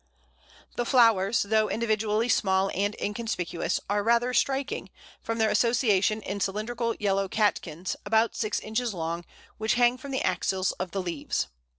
] The flowers, though individually small and inconspicuous, are rather striking, from their association in cylindrical yellow catkins, about six inches long, which hang from the axils of the leaves.